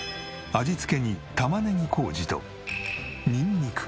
味付けに玉ねぎ麹とニンニク。